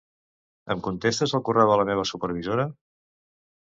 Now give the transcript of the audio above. Em contestes al correu de la meva supervisora?